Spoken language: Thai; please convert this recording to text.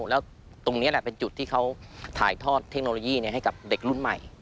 แล้วตรงนี้แหละเป็นจุดที่เขาถ่ายทอดเทคโนโลยีให้กับเด็กรุ่นใหม่